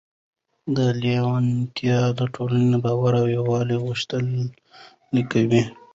دا لیوالتیا د ټولنې باور او یووالی غښتلی کوي.